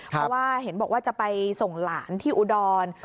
เพราะว่าเห็นบอกว่าจะไปส่งหลานที่อุดร